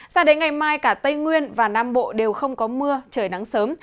sao đến ngày mai cả tây nguyên và nam bộ đều không có mưa trời nắng sớm